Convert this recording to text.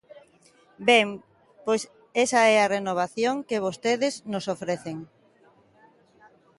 Ben, pois esa é a renovación que vostedes nos ofrecen.